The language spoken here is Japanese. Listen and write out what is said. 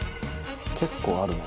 結構あるね。